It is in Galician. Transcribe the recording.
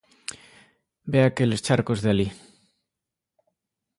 Ve aqueles charcos de alí?